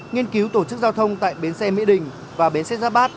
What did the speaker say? nghiên cứu tổ chức giao thông tại bến xe mỹ đình và bến xe giáp bát